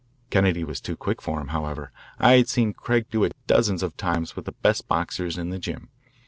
Kennedy was too quick for him, however. I had seen Craig do it dozens of times with the best boxers in the "gym."